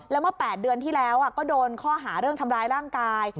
แล้วเมื่อ๘เดือนที่แล้วก็โดนข้อหาเรื่องทำร้ายร่างกาย